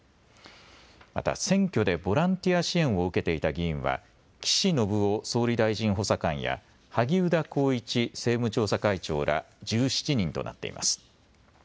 また選挙でボランティア支援を受けていた議員は岸信夫総理大臣補佐官や萩生田光一政務調査会長ら１７人となっています。